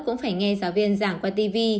cũng phải nghe giáo viên giảng qua tv